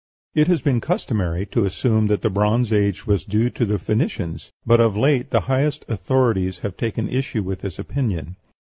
It has been customary to assume that the Bronze Age was due to the Phoenicians, but of late the highest authorities have taken issue with this opinion.